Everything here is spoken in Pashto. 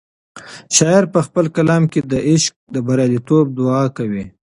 شاعر په خپل کلام کې د عشق د بریالیتوب دعا کوي.